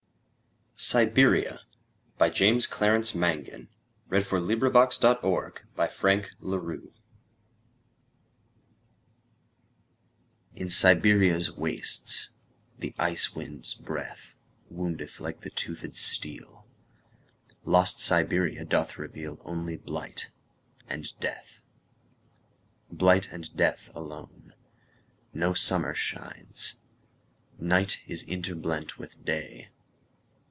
Siberia By James Clarence Mangan (1803–1849) IN Siberia's wastesThe ice wind's breathWoundeth like the toothéd steel; Lost Siberia doth revealOnly blight and death. Blight and death alone.No summer shines. Night is interblent with Day.